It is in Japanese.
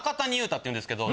っていうんですけど。